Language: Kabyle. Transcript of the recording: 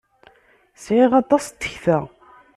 Sɛiɣ aṭas n tekta.